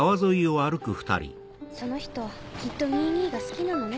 その人きっとニイ兄が好きなのね。